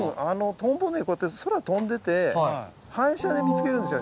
トンボねこうやって空飛んでて反射で見つけるんですよ